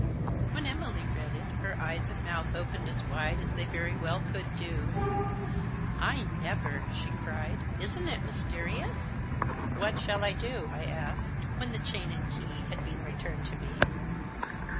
When Emily read it her eyes and mouth opened as wide as they very well could do. " I never !" she cried. " Isn't it mysterious ?"" What shall I do ?" I asked, when the chain and key had been returned to me.